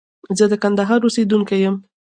زه د کندهار اوسيدونکي يم.